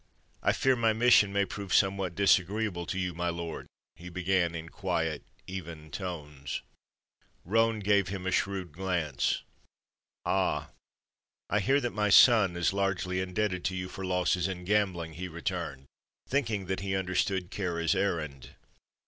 "I fear my mission may prove somewhat disagreeable to you, my lord," he began, in quiet, even tones. Roane gave him a shrewd glance. "Ah, I hear that my son is largely indebted to you for losses in gambling," he returned, thinking that he understood Kāra's errand.